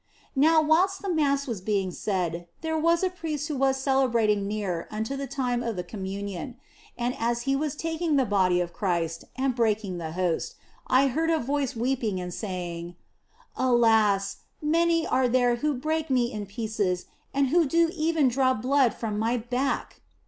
Now whilst the Mass was being said, there was a priest who was celebrating near unto the time of the Com munion. And as he was taking the Body of Christ and breaking the Host, I heard a voice weeping and saying, " Alas, many are there who break Me in pieces and who do even draw blood from My back